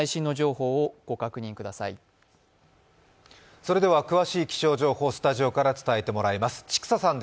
それでは詳しい気象情報をスタジオから伝えてもらいます。